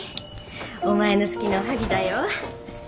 お前の好きなおはぎだよ。